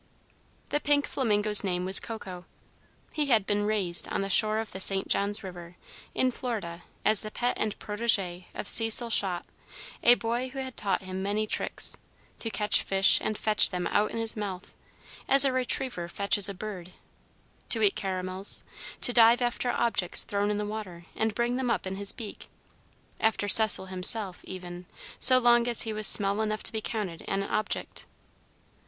The pink flamingo's name was Coco. He had been "raised" on the shore of the St. Johns River, in Florida, as the pet and protégé of Cecil Schott, a boy who had taught him many tricks, to catch fish and fetch them out in his mouth, as a retriever fetches a bird, to eat caramels, to dive after objects thrown into the water and bring them up in his beak: after Cecil himself even, so long as he was small enough to be counted as an "object."